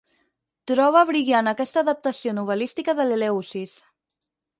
Troba brillant aquesta adaptació novel·lística de l'Eleusis.